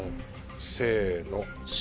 せの。